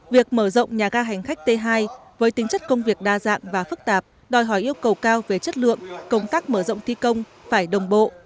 việc mở rộng nhà ga hành khách t hai với tính chất công việc đa dạng và phức tạp đòi hỏi yêu cầu cao về chất lượng công tác mở rộng thi công phải đồng bộ